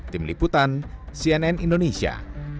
tim liputan cnn indonesia